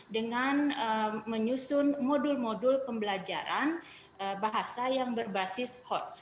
dengan menyusun modul modul pembelajaran bahasa yang berbasis hots